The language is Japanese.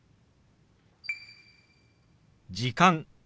「時間」。